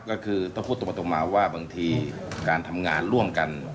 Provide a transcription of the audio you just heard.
ก็คือต้องพูดตรงมาว่าบางทีการทำงานร่วมกัน